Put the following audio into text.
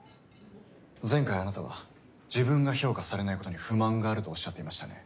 前回あなたは自分が評価されないことに不満があるとおっしゃっていましたね。